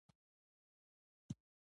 دی له هغه ځایه د نیویارک پر لور وخوځېد